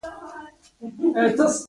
نړۍ له احوال څخه خبر شوي وای.